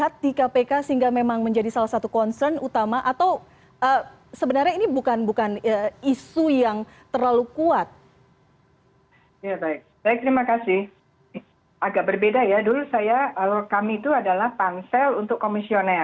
agak berbeda ya dulu kami itu adalah pansel untuk komisioner